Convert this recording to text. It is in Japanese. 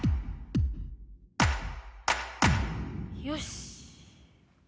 よし。